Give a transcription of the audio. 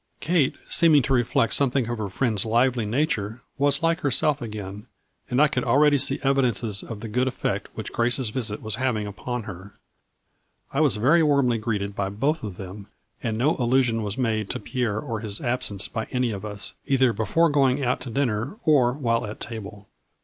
Kate, seeming to reflect something of her friend's lively nature, was like herself again, and I could already see evidences of the good effect which Grace's visit was having upon her. I was very warmly greeted by both of them, and no allusion was made to Pierre or his absence by any of us, either before going out to dinner or while at table. A FLURRY IN DIAMONDS.